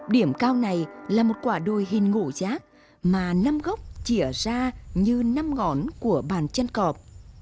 điểm cao này là một quả đuôi hình ngộ giác mà năm góc chỉa ra như năm ngón của bàn chân cọp